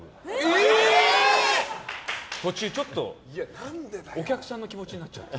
途中ちょっとお客さんの気持ちになっちゃって。